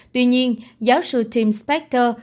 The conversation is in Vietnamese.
tuy nhiên giáo sư tim spector